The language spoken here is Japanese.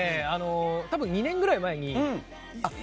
多分２年ぐらい前に。